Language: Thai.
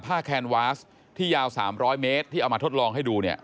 แคนวาสที่ยาว๓๐๐เมตรที่เอามาทดลองให้ดูเนี่ย